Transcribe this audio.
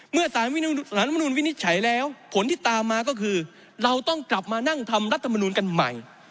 เมื่อสารรัฐมนุนวินิจฉัยแล้วผลที่ตามมาก็คือเราต้องกลับมานั่งทำรัฐมนูลกันใหม่